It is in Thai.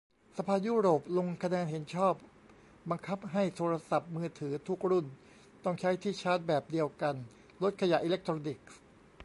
สภายุโรปลงคะแนนเห็นชอบ บังคับให้โทรศัพท์มือถือทุกรุ่นต้องใช้ที่ชาร์จแบบเดียวกัน ลดขยะอิเล็กทรอนิกส์